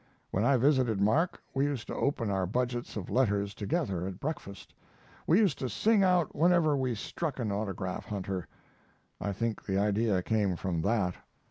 When I visited Mark we used to open our budgets of letters together at breakfast. We used to sing out whenever we struck an autograph hunter. I think the idea came from that.